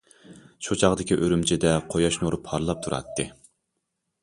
شۇ چاغدىكى ئۈرۈمچىدە قۇياش نۇرى پارلاپ تۇراتتى.